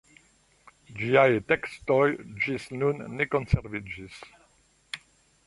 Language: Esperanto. Ĝiaj tekstoj ĝis nun ne konserviĝis.